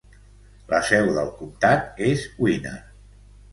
La seu del comtat és Winner.